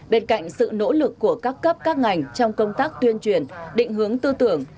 bên cạnh sự nỗ lực của các cấp các ngành trong công tác tuyên truyền định hướng tư tưởng